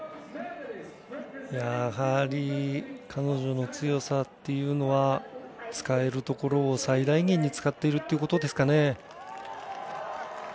やはり彼女の強さっていうのは使えるところを最大限に使っているということですかね。